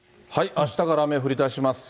あしたから雨降りだします。